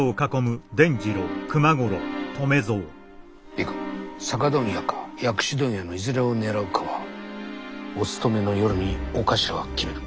いいか酒問屋か薬種問屋のいずれを狙うかはおつとめの夜にお頭が決める。